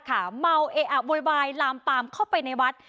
เหมาเอ้อ่ะบอยบายลามตามเข้าไปในวัด